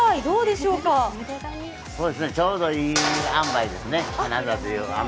ちょうどいいあんばいですね。